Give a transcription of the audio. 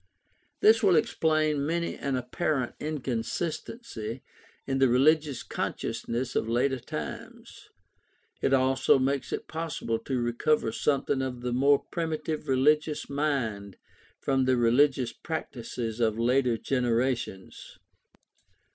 This will explain many an apparent inconsistency in the religious consciousness of later times. It also makes it possible to recover something of the more primitive religious mind from the religious practices of later generations.